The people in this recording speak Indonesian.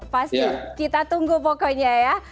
pasti kita tunggu pokoknya ya